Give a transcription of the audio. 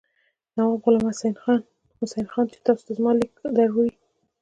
نواب غلام حسین خان چې تاسو ته زما لیک دروړي.